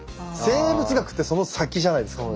生物学ってその先じゃないですか。